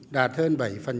đạt hơn bảy